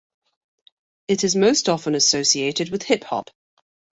It is most often associated with hip hop.